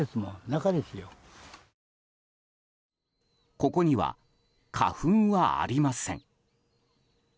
ここには花粉はありません。